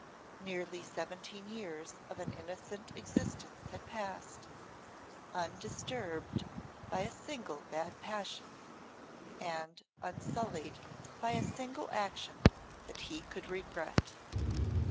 Nearly seventeen years of an innocent existence had passed, undisturbed by a single bad passion, and unsullied by a single action that he could regret.